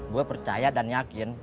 gue percaya dan yakin